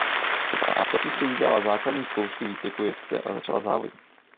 Ve dvanácti si udělala základní zkoušky výcviku jezdce a začala závodit.